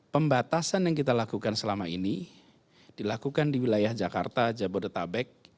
pembatasan yang kita lakukan selama ini dilakukan di wilayah jakarta jabodetabek